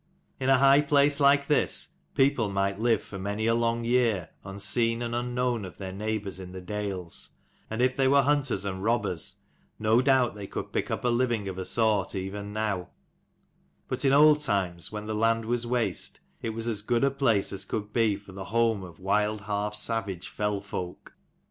In a high place like this, people might live for many a long year unseen and unknown of their neighbours in the dales: and if they were hunters and robbers, no doubt they could pick up a living of a sort even now : but in old times when the land was waste, it was as good a place as could be for the home of wild half savage fell folk.